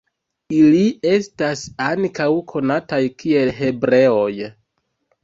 Ili estas ankaŭ konataj kiel hebreoj.